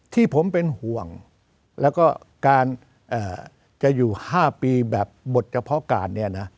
ที่ผมเป็นห่วงแล้วก็การจะอยู่๕ปีแบบบทเฉพาะการเนี่ยนะ